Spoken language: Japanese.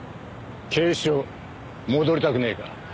警視庁戻りたくねえか？